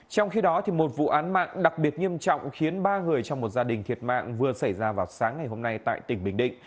trong khi đó một vụ án mạng đặc biệt nghiêm trọng khiến ba người trong một gia đình thiệt mạng vừa xảy ra vào sáng ngày hôm nay tại tỉnh bình định